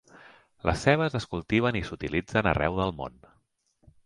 Les cebes es cultiven i s'utilitzen arreu del món.